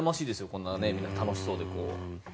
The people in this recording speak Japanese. こんなみんな、楽しそうで。